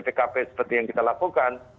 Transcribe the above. tkp seperti yang kita lakukan